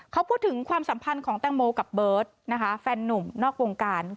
เขาพูดถึงความสัมพันธ์ของแตงโมกับเบิร์ตนะคะแฟนนุ่มนอกวงการ